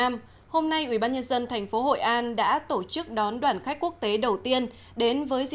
theo ủy ban nhân dân tỉnh phú yên tăng mạnh với trên một triệu một trăm bảy mươi lượt